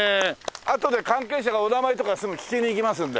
あとで関係者がお名前とかすぐ聞きにいきますんで。